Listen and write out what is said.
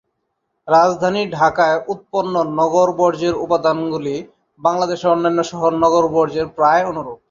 রাজধানী ঢাকায় উৎপন্ন নগর-বর্জ্যের উপাদানগুলি বাংলাদেশের অন্যান্য শহর-নগরের বর্জ্যের প্রায় অনুরূপ।